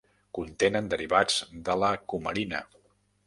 Contenen derivats de la cumarina.